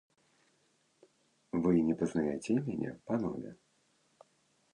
Вы не пазнаяце мяне, панове?